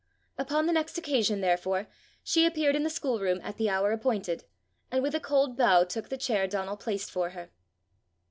Upon the next occasion, therefore, she appeared in the schoolroom at the hour appointed, and with a cold bow took the chair Donal placed for her.